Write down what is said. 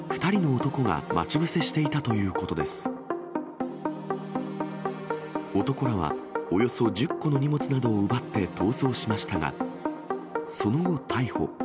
男らは、およそ１０個の荷物などを奪って逃走しましたが、その後、逮捕。